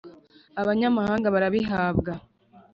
abanyamahanga barabihabwa